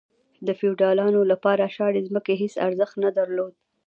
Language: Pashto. د فیوډالانو لپاره شاړې ځمکې هیڅ ارزښت نه درلود.